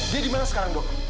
dia dimana sekarang dok